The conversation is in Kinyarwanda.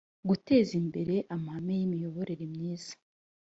guteza imbere amahame y imiyoborere myiza